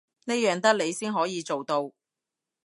呢樣得你先可以做到